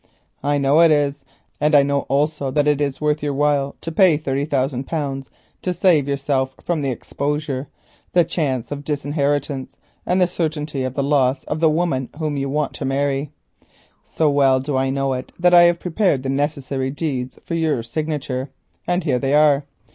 "I know it is, and I know also that it is worth your while to pay thirty thousand pounds to save yourself from the scandal, the chance of disinheritance, and the certainty of the loss of the woman whom you want to marry. So well do I know it that I have prepared the necessary deeds for your signature, and here they are.